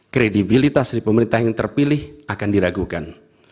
kredibilitas di pemerintahan yang terpilih akan diragukan